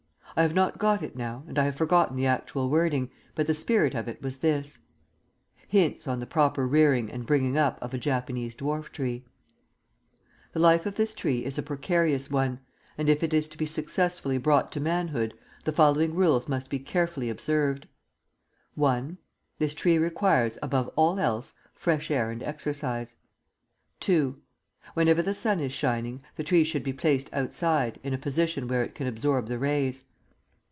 I have not got it now, and I have forgotten the actual wording, but the spirit of it was this: HINTS ON THE PROPER REARING AND BRINGING UP OF A JAPANESE DWARF TREE The life of this tree is a precarious one, and if it is to be successfully brought to manhood the following rules must be carefully observed I. This tree requires, above all else, fresh air and exercise. II. Whenever the sun is shining, the tree should be placed outside, in a position where it can absorb the rays.